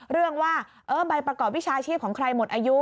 เรื่องว่าใบประกอบวิชาชีพของใครหมดอายุ